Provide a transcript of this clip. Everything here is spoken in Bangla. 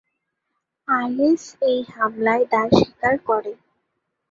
আইএস এই হামলার দায় স্বীকার করে।